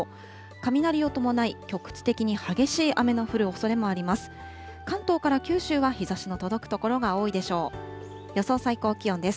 雷を伴い、局地的に激しい雨の降るおそれもあります。